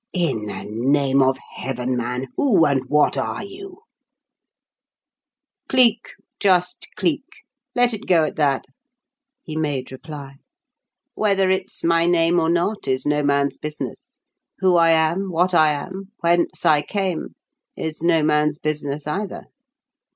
"In the name of Heaven, man, who and what are you?" "Cleek just Cleek; let it go at that," he made reply. "Whether it's my name or not is no man's business; who I am, what I am, whence I came, is no man's business either.